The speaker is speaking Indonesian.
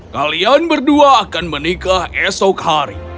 kalian berdua akan menikah esok hari